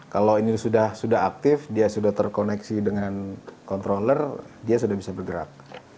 kalau ini sudah aktif dia sudah terkoneksi dengan controller dia sudah bisa bergerak